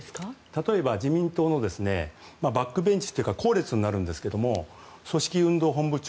例えば、自民党のバックベンチというか後列になるんですけど組織運動本部長。